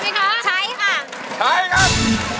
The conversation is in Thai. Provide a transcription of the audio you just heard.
ใช้ไหมคะใช้ค่ะใช้ค่ะใช้ค่ะ